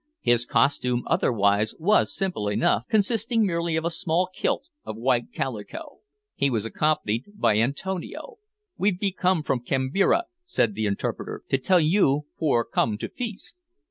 His costume otherwise was simple enough, consisting merely of a small kilt of white calico. He was accompanied by Antonio. "We've be come from Kambira," said the interpreter, "to tell you for come to feast."